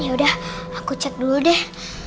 yaudah aku cek dulu deh